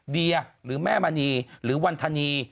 เดียหรือแม่มณีหรือวันธนี